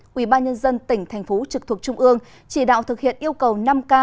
quỹ ba nhân dân tỉnh thành phố trực thuộc trung ương chỉ đạo thực hiện yêu cầu năm k